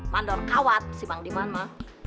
mandor kawat si bang diman ma